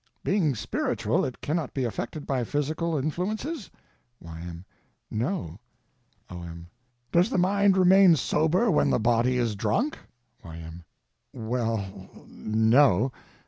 Being spiritual, it cannot be affected by physical influences? Y.M. No. O.M. Does the mind remain sober with the body is drunk? Y.M. Well—no.